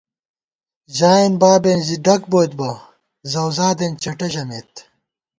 ژائېن بابېن زِی ڈگ بوئیت بہ، زؤزادېن چٹہ ژَمېت